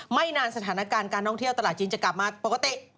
ไม่นานสถานการณ์การท่องเที่ยวตลาดจีนจะกลับมาปกติ